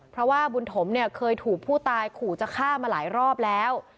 เพราะว่าบุญถมเนี่ยเคยถูกผู้ตายขู่จะฆ่ามาหลายรอบแล้ว